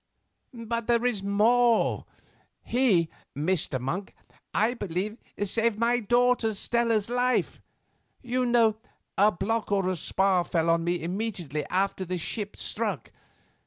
"But there was more. He, Mr. Monk, I mean, saved my daughter Stella's life. You know, a block or a spar fell on me immediately after the ship struck.